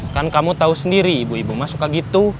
kan kamu tahu sendiri ibu ibu mah suka gitu